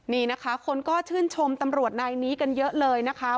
นี่นะคะคนก็ชื่นชมตำรวจนายนี้กันเยอะเลยนะคะ